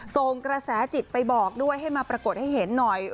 ส่งกระแสจิตไปบอกด้วยให้มาปรากฏให้เห็นหน่อย